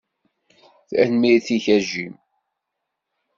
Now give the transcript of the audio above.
Tanemmirt-ik a Jim.